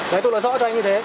đấy tôi nói rõ cho anh như thế